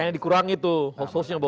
kayaknya dikurangi tuh hoax hoaxnya bos